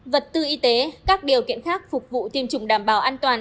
vật tư y tế các điều kiện khác phục vụ tiêm chủng đảm bảo an toàn